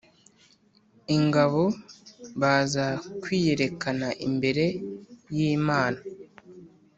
ingabo baza kwiyerekana imbere y Imana